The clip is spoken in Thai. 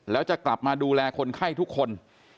แล้วจะกลับมาดูแลคนไข้ทุกคน